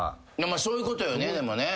そういうことよねでもね。